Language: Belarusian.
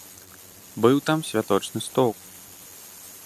Быў там святочны стол.